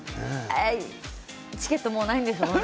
チケットはもうないんですよね？